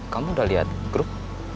kamu udah lihat grup